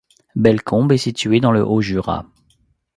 Bellecombe est située dans le Haut-Jura.